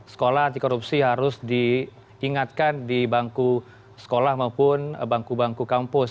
sekolah anti korupsi harus diingatkan di bangku sekolah maupun bangku bangku kampus